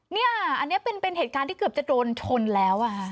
เนี่ยอันนี้เป็นเหตุการณ์ที่เกือบจะโดนชนแล้วอะค่ะ